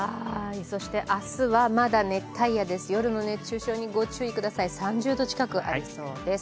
そして明日はまだ熱帯夜です、夜の熱中症にご注意ください、３０度近く上がりそうです。